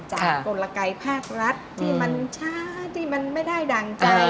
กลไกภาครัฐที่มันช้าที่มันไม่ได้ดั่งใจ